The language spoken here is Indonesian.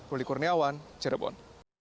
roli kurniawan cirebon